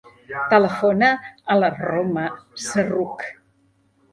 Telefona a la Roma Serroukh.